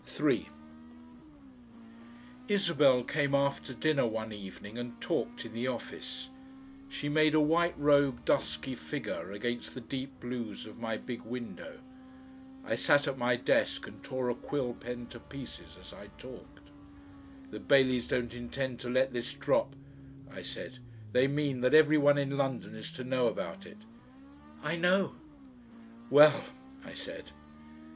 3 Isabel came after dinner one evening and talked in the office. She made a white robed, dusky figure against the deep blues of my big window. I sat at my desk and tore a quill pen to pieces as I talked. "The Baileys don't intend to let this drop," I said. "They mean that every one in London is to know about it." "I know." "Well!" I said.